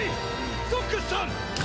ゾックスさん！